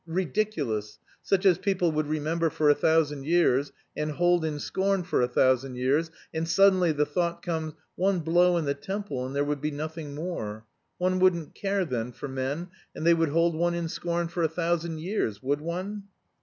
ridiculous, such as people would remember for a thousand years and hold in scorn for a thousand years, and suddenly the thought comes: 'one blow in the temple and there would be nothing more.' One wouldn't care then for men and that they would hold one in scorn for a thousand years, would one?"